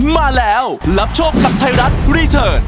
มาแล้วรับโชคกับไทยรัฐรีเทิร์น